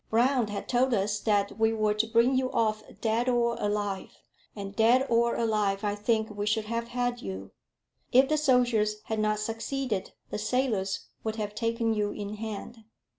"Brown had told us that we were to bring you off dead or alive; and dead or alive, I think we should have had you. If the soldiers had not succeeded, the sailors would have taken you in hand."